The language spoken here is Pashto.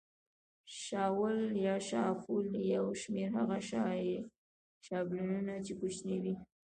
شاول یا شافول او یو شمېر هغه شابلونونه چې کوچني وي.